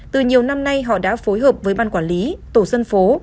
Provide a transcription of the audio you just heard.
từ nhiều năm nay họ đã phối hợp với ban quản lý tổ dân phố